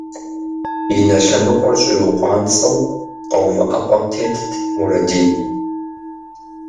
И нэ лъэныкъуэр щӏиукъуанцӏэу къэувыӏэпӏэм тетт Мурадин.